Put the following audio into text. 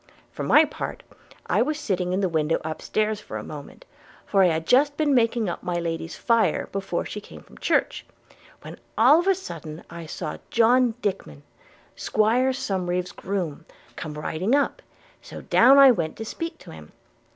For my part, I was sitting in the window upstairs for a moment, for I had just been making up my Lady's fire before she came from church – when all of a sudden I saw John Dickman, 'Squire Somerive's groom, come riding up; so down I went to speak to him.